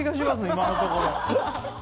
今のところ。